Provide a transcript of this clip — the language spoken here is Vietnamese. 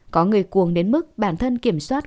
có người cuồng đến mức bản thân kiểm soát